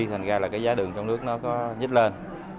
thành ra là cái giá đường trong nước nó có nhích lên